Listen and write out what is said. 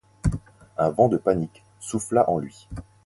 Un vent de panique souffla en lui.